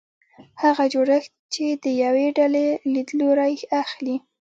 هغه جوړښت چې د یوې ډلې لیدلوری اخلي.